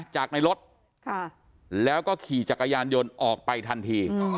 จากในรถแล้วก็ขี่จักรยานยนต์ออกไปทันที